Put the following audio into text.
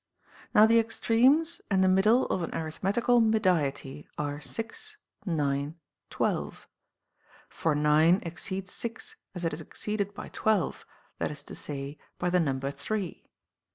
Now the extremes and the middle of an arithmetical mediety are 6, 9, 12. For 9 exceeds 6 as it is exceeded by 12, that is to say, by the number three.